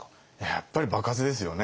やっぱり場数ですよね。